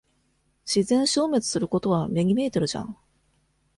自然消滅することは目に見えてるじゃん。